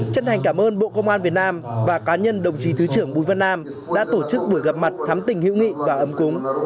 chân thành cảm ơn bộ công an việt nam và cá nhân đồng chí thứ trưởng bùi vân nam đã tổ chức buổi gặp mặt thắm tỉnh hữu nghị và ấm cúng